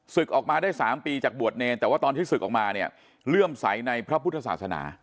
ออกมาได้๓ปีจากบวชเนรแต่ว่าตอนที่ศึกออกมาเนี่ยเลื่อมใสในพระพุทธศาสนา